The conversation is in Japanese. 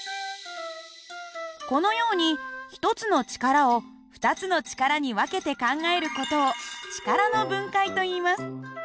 このように１つの力を２つの力に分けて考える事を力の分解といいます。